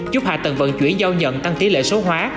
giúp hạ tầng vận chuyển giao nhận tăng tỷ lệ số hóa